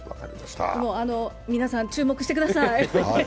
皆さん、注目してください！